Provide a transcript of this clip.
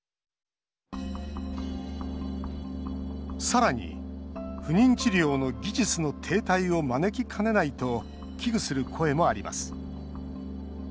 さらに、不妊治療の技術の停滞を招きかねないと危惧する声もあります。